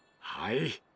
はい。